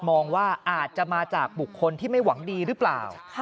มองว่าอาจจะมาจากบุคคลที่ไม่หวังดีหรือเปล่า